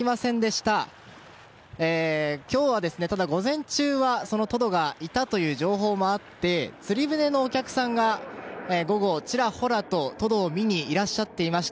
ただ、今日午前中はトドがいたという情報もあって釣り船のお客さんが午後、ちらほらとトドを見にいらっしゃっていました。